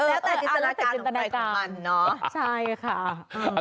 แล้วแต่จิตนาการแขวงหลายดมันเนาะใช่ค่ะ